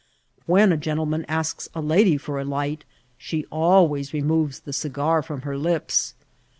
When a gen tleman asks a lady for a light, she always removes the cigar firom her lips.